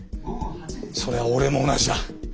それは俺も同じだ。